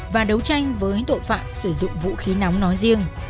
và đấu tranh với tội phạm sử dụng vũ khí nóng nói riêng